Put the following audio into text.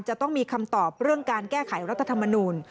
จะต้องมีคำตอบเรื่องการแก้ไขรัฐธรรมนูล